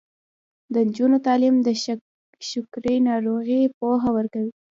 د نجونو تعلیم د شکرې ناروغۍ پوهه ورکوي.